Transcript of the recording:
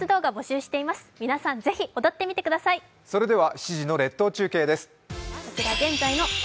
７時の列島中継です。